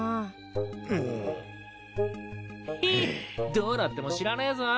どうなっても知らねえぞ。